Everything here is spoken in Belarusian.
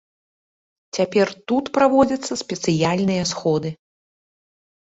Цяпер тут праводзяцца спецыяльныя сходы.